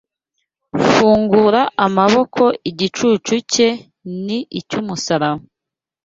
Fungura amaboko igicucu cye ni icy'umusaraba